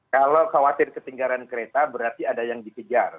kalau khawatir ketinggalan kereta berarti ada yang dikejar